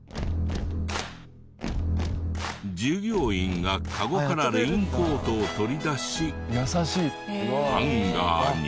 従業員がカゴからレインコートを取り出しハンガーに。